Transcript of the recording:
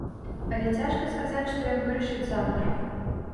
Але цяжка сказаць, што ён вырашыць заўтра.